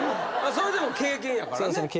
それでも経験やからね。